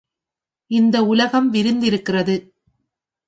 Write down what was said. இந்த உலகம் விரிந்திருக்கிறது.